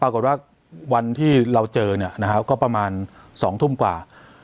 ปรากฏว่าวันที่เราเจอก็ประมาณ๒ทุ่มกว่า